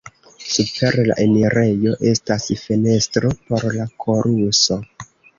Super la enirejo estas fenestro por la koruso.